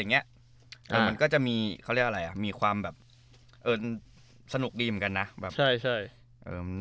มันก็จะมีความสนุกดีเหมือนกันนะ